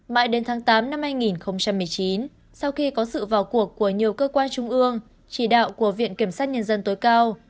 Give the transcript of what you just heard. mãi đến tháng tám năm hai nghìn một mươi chín sau khi có sự vào cuộc của nhiều cơ quan trung ương chỉ đạo của viện kiểm sát nhân dân tối cao